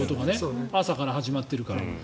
朝から始まってるから。